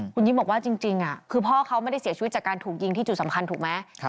คุณยิ้มบอกว่าจริงคือพ่อเขาไม่ได้เสียชีวิตจากการถูกยิงที่จุดสำคัญถูกไหม